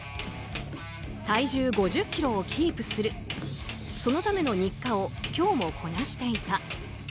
体重５０ｋｇをキープするそのための日課を今日もこなしていた。